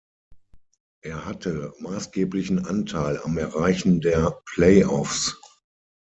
Er hatte maßgeblichen Anteil am Erreichen der Playoffs.